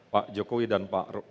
pak jokowi dan pak